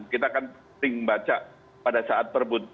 kita kan penting membaca pada saat perbut